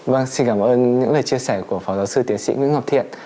vâng xin cảm ơn những lời chia sẻ của phó giáo sư tiến sĩ nguyễn ngọc thiện